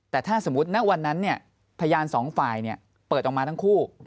แต่ถ้าสมมุติณวันนั้นพยานสองฝ่ายเปิดออกมาทั้งคู่